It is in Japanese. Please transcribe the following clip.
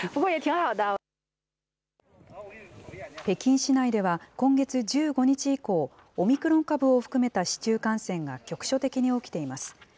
北京市内では、今月１５日以降、オミクロン株を含めた市中感染が局所的に起きています。